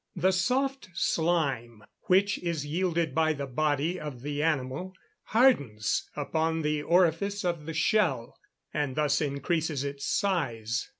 _ The soft slime which is yielded by the body of the animal, hardens upon the orifice of the shell, and thus increases its size.